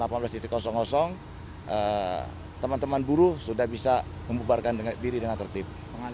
jalan delapan belas teman teman buruh sudah bisa membubarkan diri dengan tertib